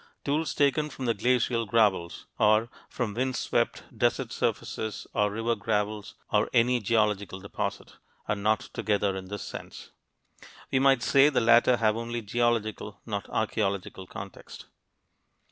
Tools taken from the glacial gravels (or from windswept desert surfaces or river gravels or any geological deposit) are not "together" in this sense. We might say the latter have only "geological," not "archeological" context.